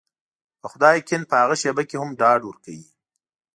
په خدای يقين په هغه شېبه کې هم ډاډ ورکوي.